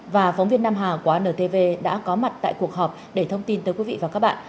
và phóng viên nam hà của antv đã có mặt tại cuộc họp để thông tin tới quý vị và các bạn